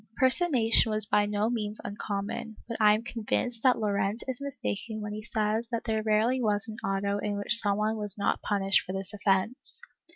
''^ Personation w^as by no means uncommon, but I am convinced that Llorente is mistaken when he says that there rarely was an auto in which some one was not punished for this offence.